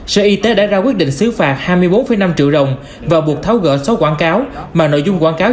sở y tế đã ra quyết định xứ phạt hai mươi bốn năm triệu đồng và buộc tháo gỡ số quảng cáo mà nội dung quảng cáo